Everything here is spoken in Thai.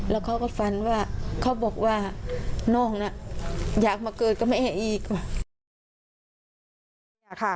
แล้วเขาก็ฝันว่าเขาบอกว่าน้องน่ะอยากมาเกิดกับแม่อีกว่ะ